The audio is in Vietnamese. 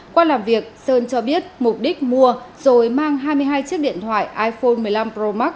qua làm việc sơn cho biết mục đích mua rồi mang hai mươi hai chiếc điện thoại iphone một mươi năm pro max